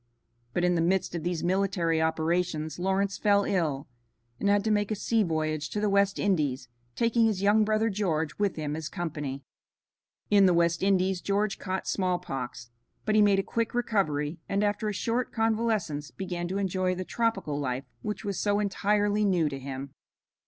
But in the midst of these military operations Lawrence fell ill and had to make a sea voyage to the West Indies, taking his young brother George with him as company. In the West Indies George caught smallpox, but he made a quick recovery and after a short convalescence began to enjoy the tropical life which was so entirely new to him.